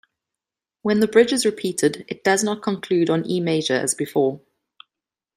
When the bridge is repeated, it does not conclude on E major as before.